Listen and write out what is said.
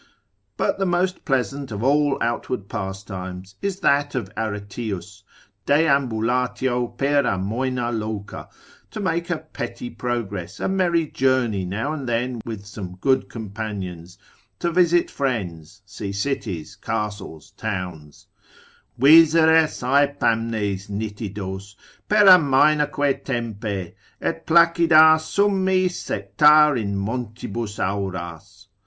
But the most pleasant of all outward pastimes is that of Areteus, deambulatio per amoena loca, to make a petty progress, a merry journey now and then with some good companions, to visit friends, see cities, castles, towns, Visere saepe amnes nitidos, per amaenaque Tempe, Et placidas summis sectari in montibus auras.